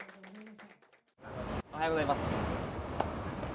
おはようございます。